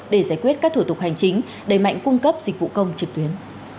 để giải quyết các thủ tục hành chính đầy mạnh cung cấp dịch vụ công trực tuyến